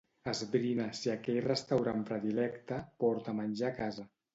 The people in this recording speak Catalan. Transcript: Esbrina si aquell restaurant predilecte porta menjar a casa.